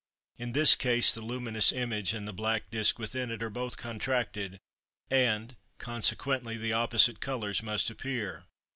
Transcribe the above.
In this case the luminous image and the black disk within it are both contracted, and, consequently, the opposite colours must appear.